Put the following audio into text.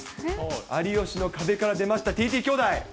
有吉の壁から出ました、ＴＴ兄弟。